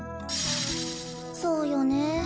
「そうよね。